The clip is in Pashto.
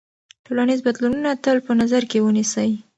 ټولنیز بدلونونه تل په نظر کې ونیسئ.